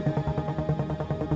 ya udah gue jalanin dulu